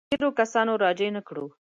تېرو کسانو راجع نه کړو.